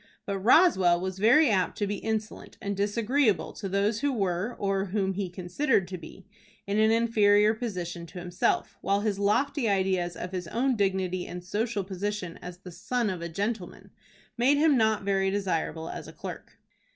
But Roswell was very apt to be insolent and disagreeable to those who were, or whom he considered to be, in an inferior position to himself, while his lofty ideas of his own dignity and social position as the "son of a gentleman," made him not very desirable as a clerk.